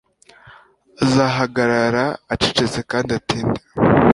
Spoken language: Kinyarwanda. Azahagarara acecetse kandi atinde